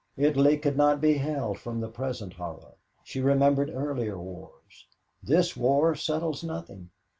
Italy could not be held from the present horror. She remembered earlier wars. This war settles nothing.